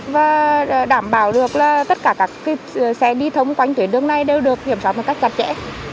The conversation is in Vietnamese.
và đảm bảo được tất cả các xe đi thông quanh tuyến đường này đều được kiểm soát một cách chặt chẽ